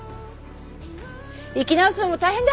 生き直すのも大変だ。